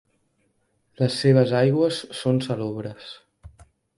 Les seves aigües són salobres.